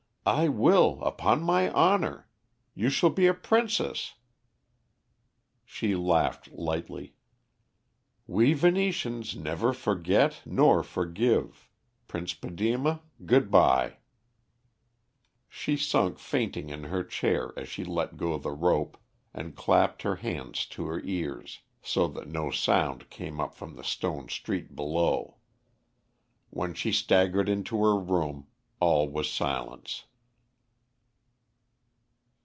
I will, upon my honour. You shall be a princess." She laughed lightly. "We Venetians never forget nor forgive. Prince Padema, good bye!" She sunk fainting in her chair as she let go the rope, and clapped her hands to her ears, so that no sound came up from the stone street below. When she staggered into her room, all was silence.